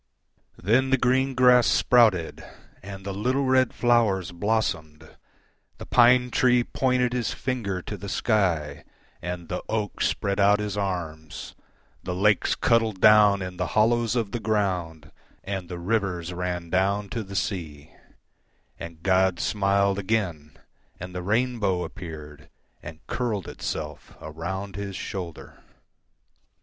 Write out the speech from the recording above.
Then the green grass sprouted, And the little red flowers blossomed, The pine tree pointed his finger to the sky, And the oak spread out his arms, The lakes cuddled down in the hollows of the ground, And the rivers ran down to the sea; And God smiled again, And the rainbow appeared, And curled itself around His shoulder.